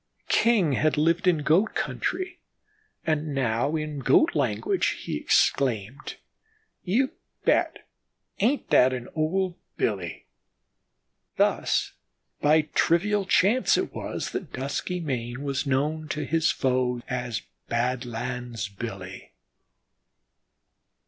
King had lived in Goat country, and now in Goat language he exclaimed: "You bet, ain't that an old Billy?" Thus by trivial chance it was that Duskymane was known to his foe, as 'Badlands Billy.'